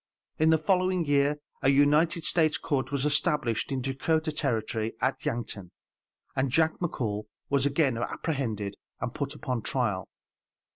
In the following year a United States court was established in Dakotah Territory at Yankton, and Jack McCall was again apprehended and put upon trial.